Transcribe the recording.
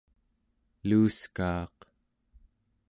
luuskaaq